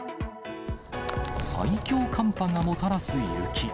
最強寒波がもたらす雪。